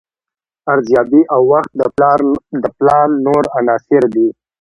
ارزیابي او وخت د پلان نور عناصر دي.